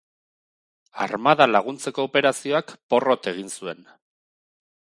Armada laguntzeko operazioak porrot egin zuen.